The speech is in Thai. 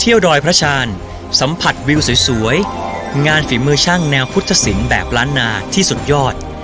ดอยพระชาญสัมผัสวิวสวยงานฝีมือช่างแนวพุทธศิลป์แบบล้านนาที่สุดยอด